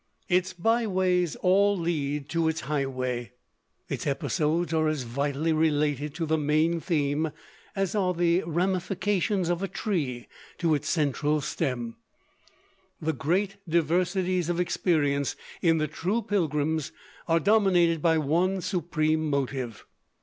Its byways all lead to its highway; its episodes are as vitally related to the main theme as are the ramifications of a tree to its central stem. The great diversities of experience in the true pilgrims are dominated by one supreme motive.